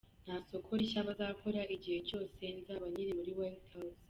Nta soko rishya bazakora igihe cyose nzaba nkiri muri White House.